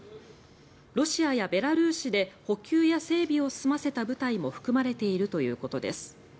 ロシアやベラルーシで補給や整備を済ませた部隊も含まれているということです。